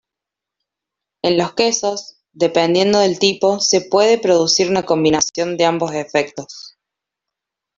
En los quesos, dependiendo del tipo, se puede producir una combinación de ambos efectos.